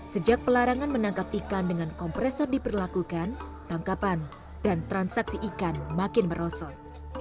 sejak pelarangan menangkap ikan dengan kompresor diperlakukan tangkapan dan transaksi ikan makin merosot